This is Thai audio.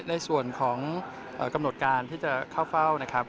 ครับในส่วนของกำหนดการที่จะเข้าเฝ้า